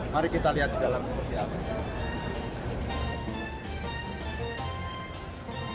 mari kita lihat di dalam